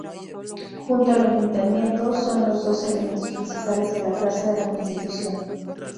Junto al Ayuntamiento, son los dos elementos principales de la Plaza de la Constitución.